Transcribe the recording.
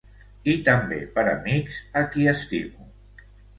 I també per amics a qui estimo.